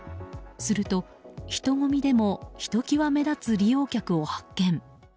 すると、人混みでもひときわ目立つ利用客を発見。